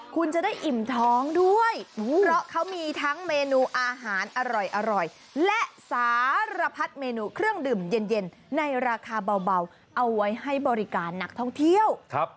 คุณจะได้อิ่มท้องด้วยเพราะเขามีทั้งเมนูอาหารอร่อยและสารพัดเมนูเครื่องดื่มเย็นในราคาเบาเอาไว้ให้บริการนักท่องเที่ยว